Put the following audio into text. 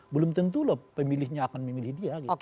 belum tentu loh pemilihnya akan memilih dia gitu